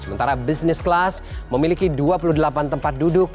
sementara business class memiliki dua puluh delapan tempat duduk